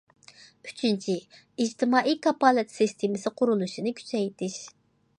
ئۈچىنچى، ئىجتىمائىي كاپالەت سىستېمىسى قۇرۇلۇشىنى كۈچەيتىش.